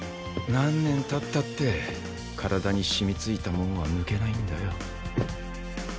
何年経ったって体に染み付いたもんは抜けないんだよ。